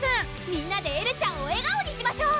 みんなでエルちゃんを笑顔にしましょう！